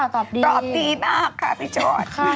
ตอบดีมากค่ะพี่ชอต